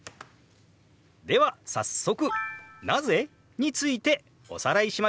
では早速「なぜ？」についておさらいしましょう。